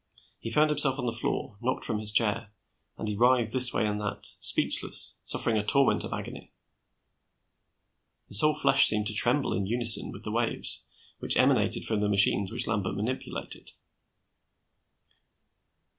He found himself on the floor, knocked from his chair, and he writhed this way and that, speechless, suffering a torment of agony. His whole flesh seemed to tremble in unison with the waves which emanated from the machines which Lambert manipulated.